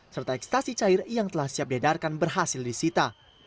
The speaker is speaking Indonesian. serta ekstasi cair yang telah siap diedarkan berhasil disita